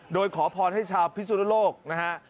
โดยขอพรให้ชาวพิสุนโลกนะฮะ